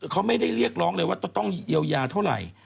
เขาไม่ได้เรียกร้องเลยว่าต้องเยียวยาเท่าไหร่